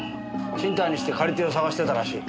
賃貸にして借り手を探してたらしい。